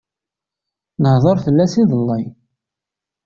Nehder fell-as iḍelli.